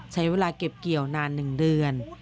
ใช้เวลาเก็บเกี่ยวนาน๑เดือน